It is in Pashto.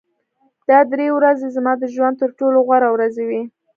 دا درې ورځې زما د ژوند تر ټولو غوره ورځې وې